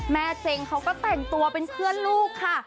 เจ๊งเขาก็แต่งตัวเป็นเพื่อนลูกค่ะ